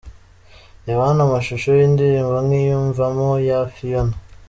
Reba hano amashusho y’indirimbo’ Nkwiyumvamo’ ya Phiona.